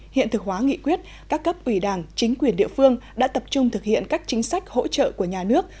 hiện thực hóa nghị quyết các cấp ủy đảng chính quyền địa phương đã tập trung thực hiện các chính sách hỗ trợ của nhà nước